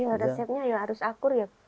ya resepnya ya harus akur ya